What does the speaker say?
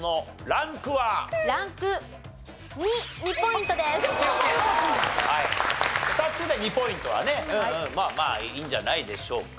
２つで２ポイントはねまあまあいいんじゃないでしょうか。